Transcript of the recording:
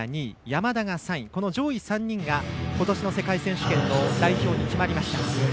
山田が３位、上位３人がことしの世界選手権の代表に決まりました。